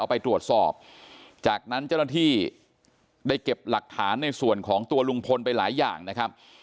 ไปตรวจสอบจากนั้นเจ้าหน้าที่ได้เก็บหลักฐานในส่วนของตัวลุงพลไปหลายอย่างนะครับ